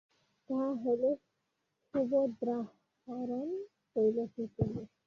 তাহা হইলে সুভদ্রাহরণ হইল কি করিয়া!